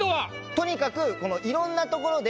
とにかくいろんなところで。